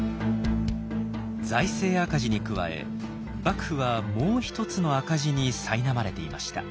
財政赤字に加え幕府はもう一つの赤字にさいなまれていました。